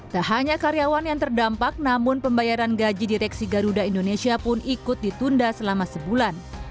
tak hanya karyawan yang terdampak namun pembayaran gaji direksi garuda indonesia pun ikut ditunda selama sebulan